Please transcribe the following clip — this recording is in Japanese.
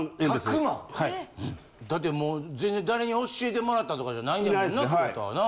だってもう全然誰に教えてもらったとかじゃないんやもんな久保田はな。